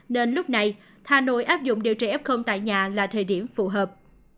nên lúc này hà nội áp dụng điều trị f tại nhà là thời điểm phù hợp